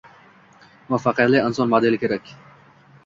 Muvaffaqiyatli inson modeli kerak.